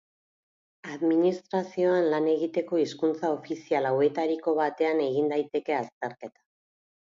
Administrazioan lan egiteko hizkuntza ofizial hauetariko batean egin daiteke azterketa.